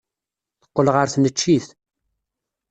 Teqqel ɣer tneččit.